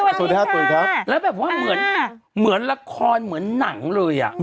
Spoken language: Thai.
หวัดดีค่ะเค้าเหมือนเหมือนละครเหมือนหนังเลย